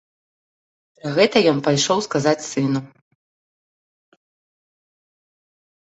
Пра гэта ён пайшоў сказаць сыну.